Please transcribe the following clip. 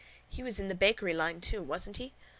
He was in the bakery line too, wasn't he?